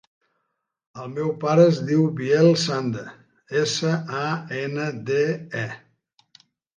El meu pare es diu Biel Sande: essa, a, ena, de, e.